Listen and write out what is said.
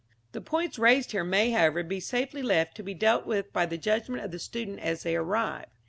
The points raised here may, however, be safely left to be dealt with by the judgment of the student as they arise.